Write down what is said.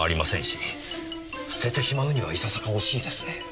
し捨ててしまうにはいささか惜しいですね。